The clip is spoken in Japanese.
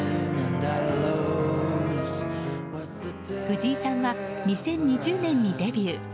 藤井さんは２０２０年にデビュー。